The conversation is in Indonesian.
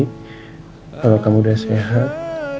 kalau kamu udah sehat